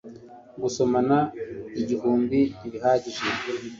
gusomana igihumbi ntibihagije